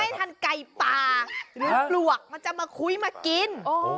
ทันไก่ป่าหรือปลวกมันจะมาคุ้ยมากิน